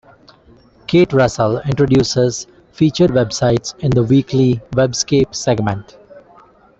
Kate Russell introduces featured websites in the weekly "Webscape" segment.